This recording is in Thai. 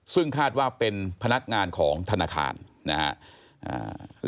ซึ่งคาดว่าเป็นพนักงานของธนาคารนะครับ